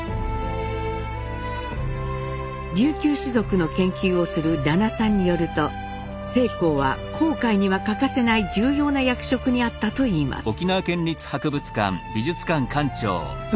琉球士族の研究をする田名さんによると正好は航海には欠かせない重要な役職にあったといいます。